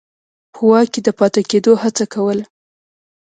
په واک کې د پاتې کېدو هڅه کوله.